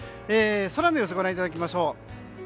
空の様子をご覧いただきましょう。